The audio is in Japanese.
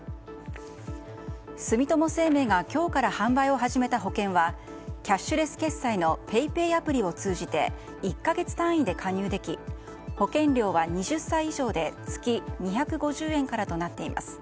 住友生命が今日から販売を始めた保険はキャッシュレス決済のＰａｙＰａｙアプリを通じて１か月単位で加入でき保険料は２０歳以上で月２５０円からとなっています。